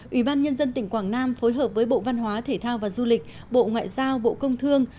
ủy ban nhân dân tỉnh quảng nam phối hợp với bộ văn hóa thể thao và du lịch bộ ngoại giao bộ công thương